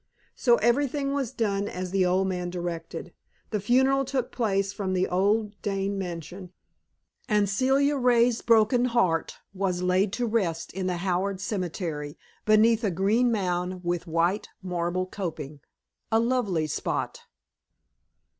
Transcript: So everything was done as the old man directed. The funeral took place from the old Dane mansion, and Celia Ray's broken heart was laid to rest in the Howard Cemetery beneath a green mound with white marble coping a lovely spot.